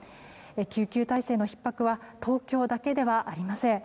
救急体制のひっ迫は東京だけではありません。